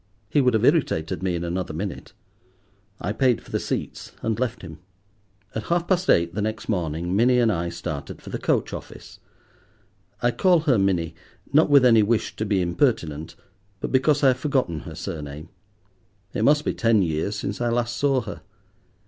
He would have irritated me in another minute. I paid for the seats and left him. At half past eight the next morning Minnie and I started for the coach office. I call her Minnie, not with any wish to be impertinent, but because I have forgotten her surname. It must be ten years since I last saw her.